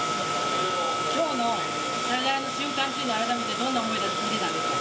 きょうのサヨナラの瞬間というのは、改めてどんな思いで見てたんですか？